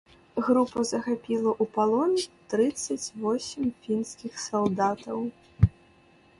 Група захапіла ў палон трыццаць восем фінскіх салдатаў.